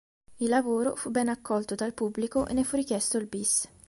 Il lavoro, fu ben accolto dal pubblico e ne fu richiesto il bis.